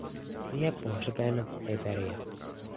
Je pohřben v Tiberias.